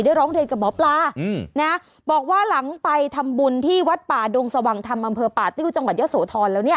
ร้องเรียนกับหมอปลานะบอกว่าหลังไปทำบุญที่วัดป่าดงสว่างธรรมอำเภอป่าติ้วจังหวัดเยอะโสธรแล้วเนี่ย